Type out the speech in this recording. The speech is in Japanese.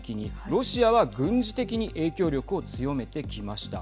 ロシアは軍事的に影響力を強めてきました。